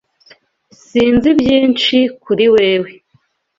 Sinzi byinshi kuri wewe.